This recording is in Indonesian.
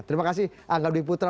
terima kasih angga dwi putra